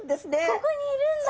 ここにいるんだ。